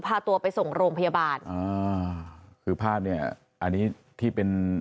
พาตัวไปส่งโรงพยาบาลอ่าคือภาพเนี้ยอันนี้ที่เป็น